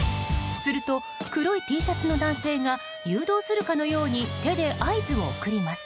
すると、黒いＴシャツの男性が誘導するかのように手で合図を送ります。